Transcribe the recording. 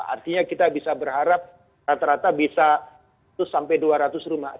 artinya kita bisa berharap rata rata bisa terus sampai dua ratus rumah